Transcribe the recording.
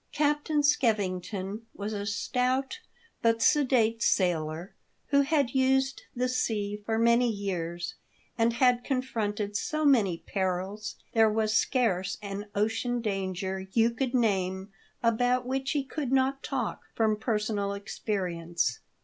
Captain Skeving ton was a stout but sedate sailor, who had used the sea for many years, and had confronted so many perils there was scarce an ocean danger you could name about which he could not talk from personal experience.